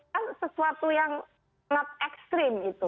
kan sesuatu yang sangat ekstrim gitu